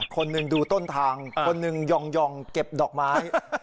คนหนึ่งดูต้นทางคนหนึ่งยองเก็บดอกไม้